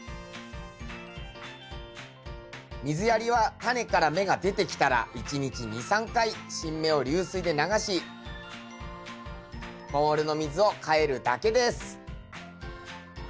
水やりはタネから芽が出てきたら１日２３回新芽を流水で流しボウルの水を替えるだけです。